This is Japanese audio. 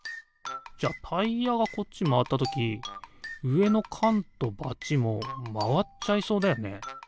じゃタイヤがこっちまわったときうえのかんとバチもまわっちゃいそうだよね。